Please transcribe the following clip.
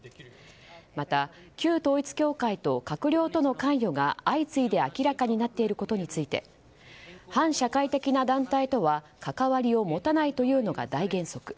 また、旧統一教会と閣僚との関与が相次いで明らかになっていることについて反社会的な団体とは関わりを持たないというのが大原則。